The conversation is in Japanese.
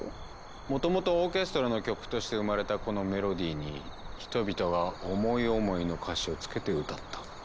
もともとオーケストラの曲として生まれたこのメロディーに人々が思い思いの歌詞をつけて歌った。